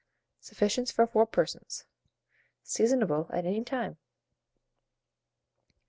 Sufficient for 4 persons. Seasonable at any time.